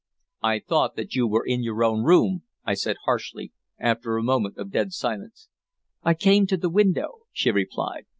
"I thought that you were in your own room," I said harshly, after a moment of dead silence. "I came to the window," she replied.